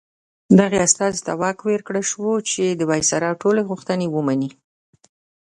دغه استازي ته واک ورکړل شوی چې د وایسرا ټولې غوښتنې ومني.